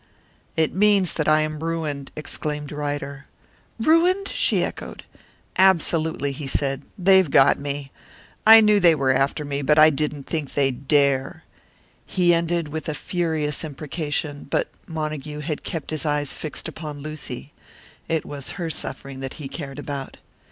"It means that I am ruined," exclaimed Ryder. "Ruined?" she echoed. "Absolutely!" he said. "They've got me! I knew they were after me, but I didn't think they'd dare!" He ended with a furious imprecation; but Montague had kept his eyes fixed upon Lucy. It was her suffering that he cared about.